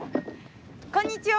こんにちは。